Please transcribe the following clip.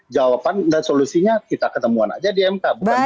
jawaban dan solusinya kita ketemuan aja di mk